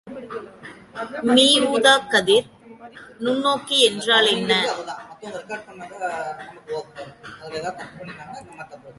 மீஊதாக்கதிர் நுண்ணோக்கி என்றால் என்ன?